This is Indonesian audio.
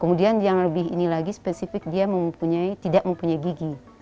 kemudian yang lebih ini lagi spesifik dia mempunyai tidak mempunyai gigi